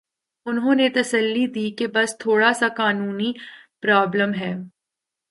انہوں نے تسلی دی کہ بس تھوڑا سا قانونی پرابلم ہے۔